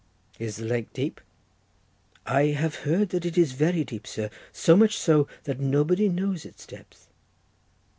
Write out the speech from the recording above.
"Is the lake deep?" "I have heard that it is very deep, sir; so much so, that nobody knows its depth."